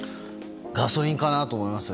ガソリンかなと思います。